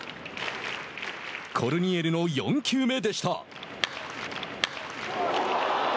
コルニエルの４球目でした。